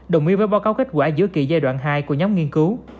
đồng ý với báo cáo kết quả giữa kỳ giai đoạn hai của nhóm nghiên cứu